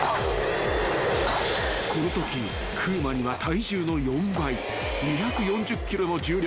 ［このとき風磨には体重の４倍２４０ｋｇの重力がのしかかる］